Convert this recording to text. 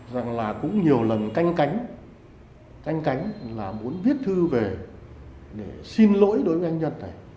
rằng là cũng nhiều lần canh cánh anh cánh là muốn viết thư về để xin lỗi đối với anh nhân này